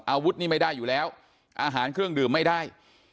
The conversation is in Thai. อาวุธนี่ไม่ได้อยู่แล้วอาหารเครื่องดื่มไม่ได้